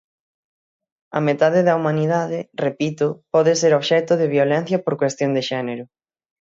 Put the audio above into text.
A metade da humanidade –repito– pode ser obxecto de violencia por cuestión de xénero.